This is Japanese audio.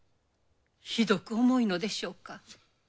ひどく重いのでしょうか？